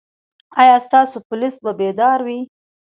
ایا ستاسو پولیس به بیدار وي؟